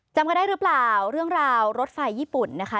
จำกันได้หรือเปล่าเรื่องราวรถไฟญี่ปุ่นนะคะ